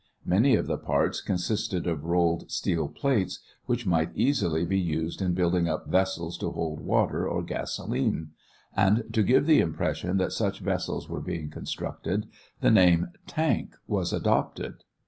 Many of the parts consisted of rolled steel plates which might readily be used in building up vessels to hold water or gasolene; and to give the impression that such vessels were being constructed the name "tank" was adopted.